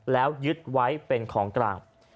แล้วยึดไว้เป็นของกลาง